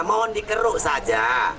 mohon dikeruk saja